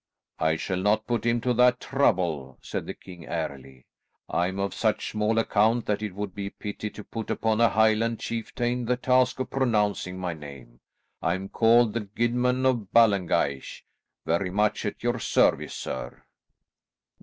"I shall not put him to that trouble," said the king airily. "I am of such small account that it would be a pity to put upon a Highland chieftain the task of pronouncing my name. I am called the Guidman of Ballengeich, very much at your service, sir."